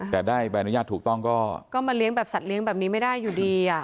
แต่ได้ใบอนุญาตถูกต้องก็มาเลี้ยงแบบสัตว์เลี้ยงแบบนี้ไม่ได้อยู่ดี